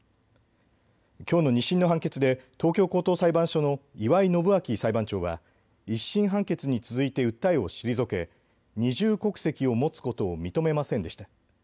きょうの２審の判決で東京高等裁判所の岩井伸晃裁判長は１審判決に続いて訴えを退け二重国籍を持つことを認めませんでした。